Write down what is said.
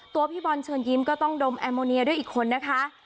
พี่บอลเชิญยิ้มก็ต้องดมแอมโมเนียด้วยอีกคนนะคะ